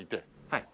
はい。